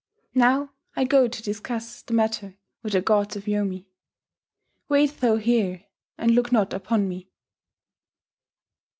Now I go to discuss the matter with the gods of Yomi. Wait thou here, and look not upon me."